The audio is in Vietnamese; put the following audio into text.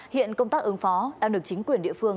hiện công tác ứng phó đang được chính quyền địa phương